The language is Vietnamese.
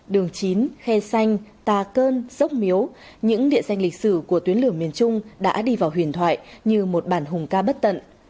đường chín khe xanh tà cơn dốc miếu những địa danh lịch sử của tuyến lửa miền trung đã đi vào huyền thoại như một bản hùng ca bất tận